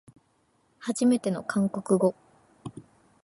はじめての韓国語